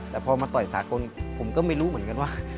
แต่พอมาต่อยสากลผมก็ไม่รู้เหมือนกันว่า